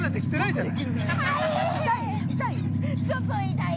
◆痛い？